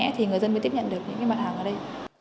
mới tiếp nhận được những mặt hàng ở đây